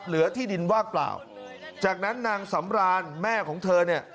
เหลือที่ดินวากเปล่าจากนั้นนางศรรารแม่ของเธอ